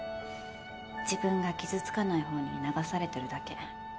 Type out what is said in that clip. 自分が傷つかないほうに流されてるだけ。